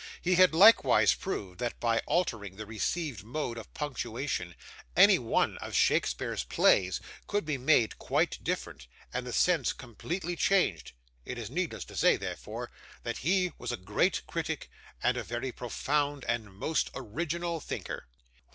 He had likewise proved, that by altering the received mode of punctuation, any one of Shakespeare's plays could be made quite different, and the sense completely changed; it is needless to say, therefore, that he was a great critic, and a very profound and most original thinker.